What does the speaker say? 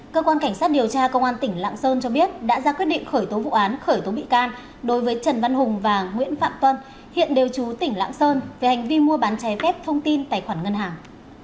cơ quan cảnh sát điều tra công an tỉnh lạng sơn cho biết đã ra quyết định khởi tố vụ án khởi tố bị can đối với trần văn hùng và nguyễn phạm tuân hiện đều chú tỉnh lạng sơn về hành vi mua bán trái phép thông tin tài khoản ngân hàng